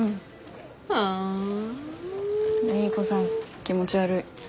莉子さん気持ち悪い。